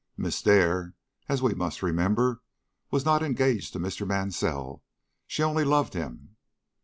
Miss Dare, as we must remember, was not engaged to Mr. Mansell; she only loved him.